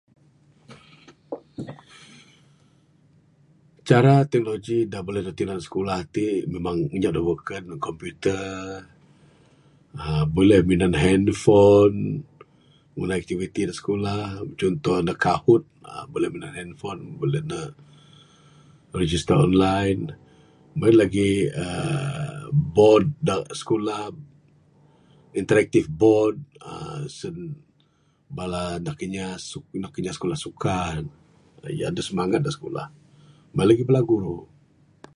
Cara teknoloji da buleh dog tinan skulah ti', memang anyap de beken, komputer, uhh buleh minan handfon, ngundah aktiviti da skulah. Conto ne, kahut buleh minan handfon, buleh ne register online. Mung en lagi uhh board da skulah, interaktif board, uhh sien bala nak inya suk, anak kinya suka. Ayu, aduh semangat ndug skulah. Mung en lagi bala guru.